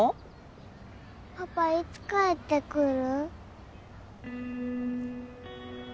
パパいつ帰ってくる？